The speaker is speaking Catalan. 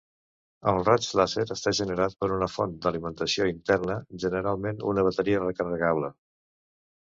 El raig làser està generat per una font d'alimentació interna, generalment una bateria recarregable.